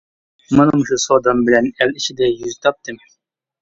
مانا مۇشۇ سودام بىلەن ئەل ئىچىدە «يۈز» تاپتىم.